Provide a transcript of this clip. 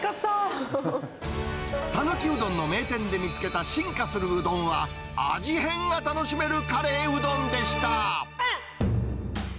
讃岐うどんの名店で見つけた進化するうどんは、味変が楽しめるカレーうどんでした。